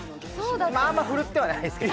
あまりふるってはないですけど。